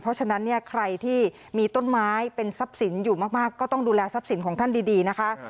เพราะฉะนั้นเนี่ยใครที่มีต้นไม้เป็นทรัพย์สินอยู่มากก็ต้องดูแลทรัพย์สินของท่านดีนะคะ